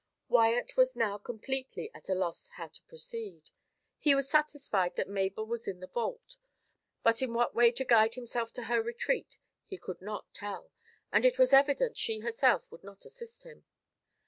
Wyat was now completely at a loss how to proceed. He was satisfied that Mabel was in the vault; but in what way to guide himself to her retreat he could not tell, and it was evident she herself would not assist him.